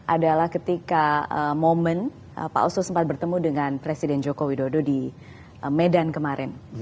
adalah ketika momen pak oso sempat bertemu dengan presiden joko widodo di medan kemarin